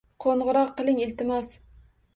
Qo'ng'iroq qiling, iltimos.